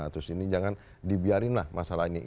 terus ini jangan dibiarin lah masalah ini